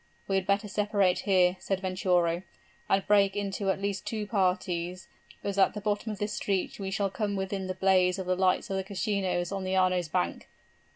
'We had better separate here,' said Venturo, 'and break into at least two parties, as at the bottom of this street we shall come within the blaze of the lights of the casinos on the Arno's bank.'